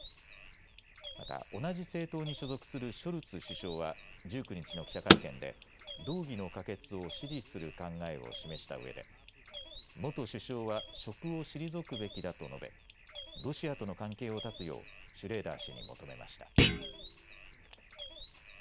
また同じ政党に所属するショルツ首相は１９日の記者会見で動議の可決を支持する考えを示したうえで元首相は職を退くべきだと述べロシアとの関係を断つようシュレーダー氏に求めました。